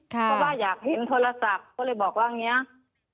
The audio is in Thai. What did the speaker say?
เพราะว่าอยากเห็นโทรศัพท์ก็เลยบอกว่าอย่างนี้